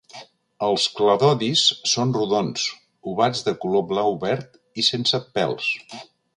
Els cladodis són rodons, ovats de color blau-verd i sense pèls.